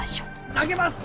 投げます！